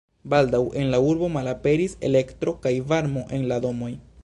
Baldaŭ en la urbo malaperis elektro kaj varmo en la domoj.